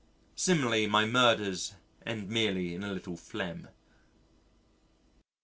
Similarly my murders end merely in a little phlegm.